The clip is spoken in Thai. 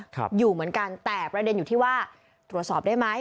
ครับอยู่เหมือนกันแต่ประเด็นอยู่ที่ว่าตรวจสอบได้ไหม